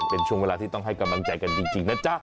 เป็นช่วงเวลาที่ต้องให้กำลังใจกันจริงนะจ๊ะ